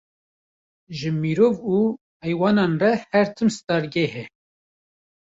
Ji mirov û heywanan re her tim stargeh e